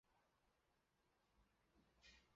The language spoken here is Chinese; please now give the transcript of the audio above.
珙县芙蓉矿区是四川省重要的煤田。